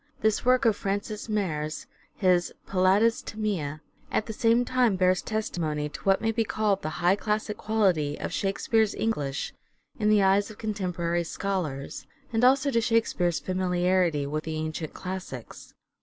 This work of Francis Meres — his " Palladis Tamia "— at the same time bears testimony to what may be called the high classic quality of " Shakespeare's " English in the eyes of contemporary scholars, and also to " Shakespeare's " familiarity with the ancient classics.